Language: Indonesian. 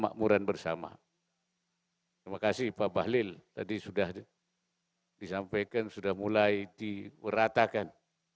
terima kasih pak bahlil tadi sudah disampaikan sudah mulai diberatakan